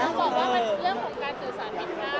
ค่าบอกว่ามันเรื่องของการสื่อสารเพราะผ้า